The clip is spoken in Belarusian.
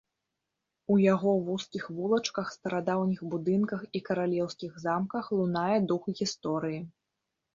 У яго вузкіх вулачках, старадаўніх будынках і каралеўскіх замках лунае дух гісторыі.